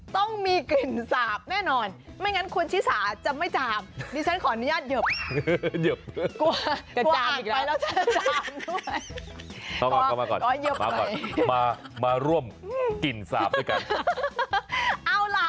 ต้องมีกลิ่นสาบแน่นอนไม่งั้นคุณชิสาจะไม่จาบนี่ฉันขออนุญาตเย็บกลัวอ่านไปแล้วจะจาบด้วยมาร่วมกลิ่นสาบด้วยกันเอาล่ะ